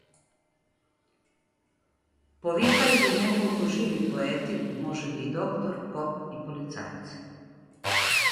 Повикајте и неколку живи поети, можеби и доктор, поп и полицаец.